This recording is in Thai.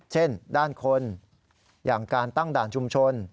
เช่นด้านคนอย่างการตั้งด่านชุมชน